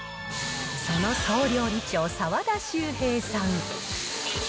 その総料理長、澤田州平さん。